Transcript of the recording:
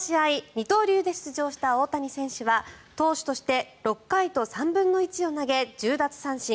二刀流で出場した大谷選手は投手として６回と３分の１を投げ１０奪三振。